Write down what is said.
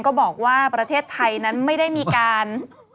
ก็บอกว่าประเทศไทยนั้นไม่ได้มีการ